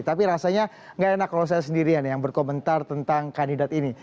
tapi rasanya nggak enak kalau saya sendirian yang berkomentar tentang kandidat ini